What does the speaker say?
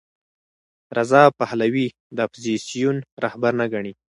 رضا پهلوي د اپوزېسیون رهبر نه ګڼي.